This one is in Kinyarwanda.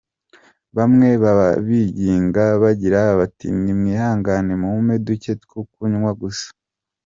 Bamwe baba binginga bagira bati “Nimwihangane mumpe duke two kunywa gusa”.